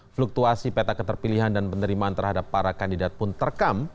fluktuasi peta keterpilihan dan penerimaan terhadap para kandidat pun terekam